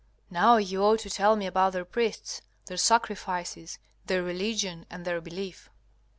M. Now you ought to tell me about their priests, their sacrifices, their religion, and their belief.